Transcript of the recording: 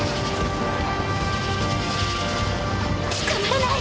捕まらない！